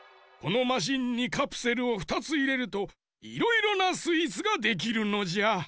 このマシンにカプセルを２ついれるといろいろなスイーツができるのじゃ。